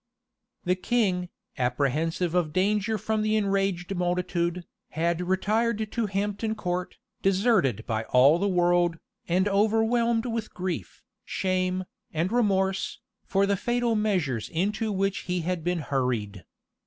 The king, apprehensive of danger from the enraged multitude, had retired to Hampton Court, deserted by all the world, and overwhelmed with grief, shame, and remorse, for the fatal measures into which he had been hurried.